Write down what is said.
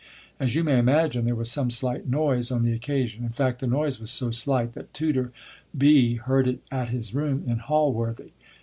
As you may imagine, there was some slight noise on the occasion. In fact, the noise was so slight that Tutor B. heard it at his room in Holworthy.